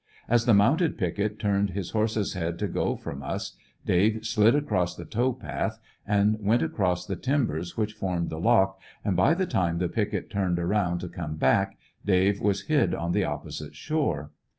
As the mounted picket turned his horse's head to go from us, Dave slid across the tow^ path and went across the timbers which formed the lock, and by the time the picket turned around to come back Dave was hid on the opposite shore.